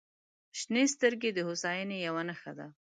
• شنې سترګې د هوساینې یوه نښه ده.